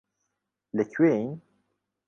لەکوێین؟